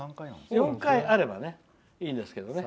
４回あればいいですけどね。